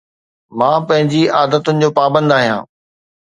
مان پنهنجي عادتن جو پابند آهيان